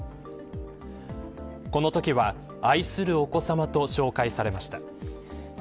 このときは愛するお子さまと紹介されました。